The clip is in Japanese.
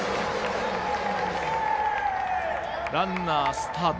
ランナー、スタート。